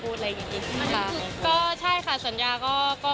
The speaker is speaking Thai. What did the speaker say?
ตื่นเต้นนะใกล้แล้วค่ะ